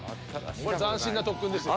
これ斬新な特訓ですよ。